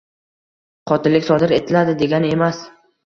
qotillik sodir etiladi degani emas.